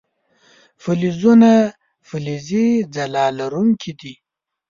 فلزونه فلزي ځلا لرونکي دي.